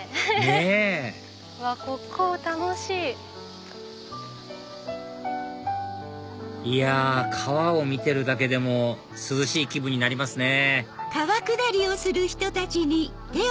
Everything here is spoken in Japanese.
ねぇここ楽しい！いや川を見てるだけでも涼しい気分になりますね